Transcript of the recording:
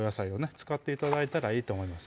使って頂いたらいいと思います